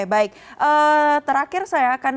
baik terakhir saya akan